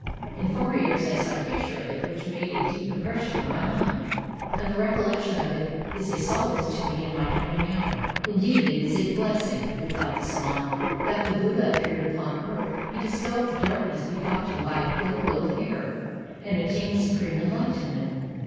In former years I saw a picture of it which made a deep impression on my mind, and the recollection of it is a solace to me in my dying hour." "Indeed, it is a blessing," replied the samana, "that the Buddha appeared upon earth ; he dispelled the dark ness begotten by ill will and error, and attained supreme enlightenment.